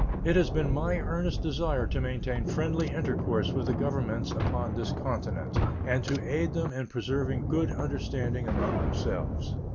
It has been my earnest desire to maintain friendly intercourse with the Governments upon this continent and to aid them in preserving good understanding among themselves.